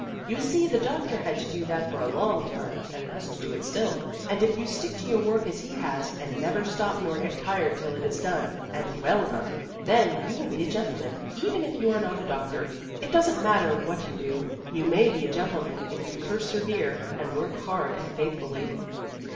You see the doctor had to do that for a long time, and has to do it still, and if you stick to your work as he has, and never stop nor get tired till it is done, and well done, then you will be a gentleman, even if you are not a doctor. It doesn't matter what you do; you may be a gentleman if you persevere and work hard and faithfully."